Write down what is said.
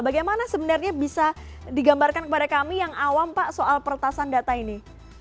bagaimana sebenarnya bisa digambarkan kepada kami yang awam pak soal peretasan data ini